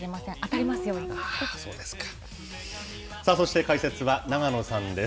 そして解説は、永野さんです。